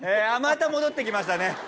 また戻ってきましたね。